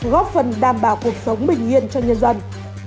góp phần đảm bảo cuộc sống bình yên cho nhân dân